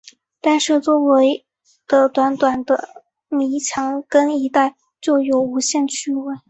单是周围的短短的泥墙根一带，就有无限趣味